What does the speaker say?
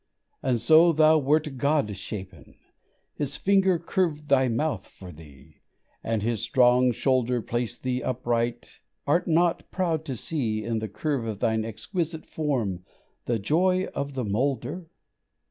And so thou wert God shapen: His finger Curved thy mouth for thee, and His strong shoulder Planted thee upright: art not proud to see In the curve of thine exquisite form the joy of the Moulder?